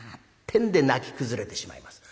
てんで泣き崩れてしまいます。